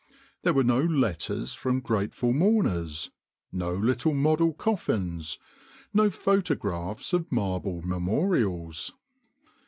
There were no letters from grateful mourners, no little model coffins, no photographs of marble memorials.